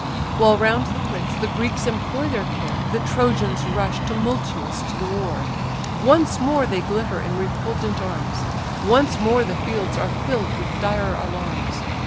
While round the prince the Greeks employ their care, The Trojans rush tumultuous to the war; Once more they glitter in refulgent arms, Once more the fields are fill'd with dire alarms.